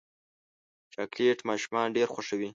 چاکلېټ ماشومان ډېر خوښوي.